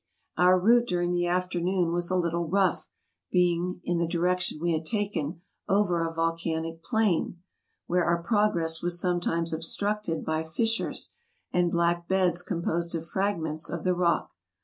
Our route during the afternoon was a little rough, being (in the direction we had taken) over a volcanic plain, where AMERICA 85 our progress was sometimes obstructed by fissures, and black beds composed of fragments of the rock.